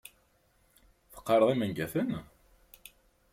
Teqqareḍ imangaten?